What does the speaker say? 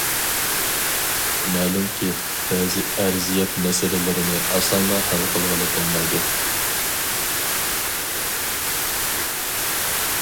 مەلۇمكى، بەزى ئەرزىيەت مەسىلىلىرىنى ئاسانلا ھەل قىلغىلى بولمايدۇ.